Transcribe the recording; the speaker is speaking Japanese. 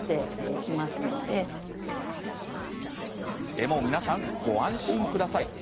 でも皆さん、ご安心ください。